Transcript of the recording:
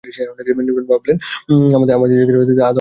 Newton ভাবলেন আমরা যেটা শূন্যস্থান ভাবি, আদৌ সেটা শূন্যস্থান নয়।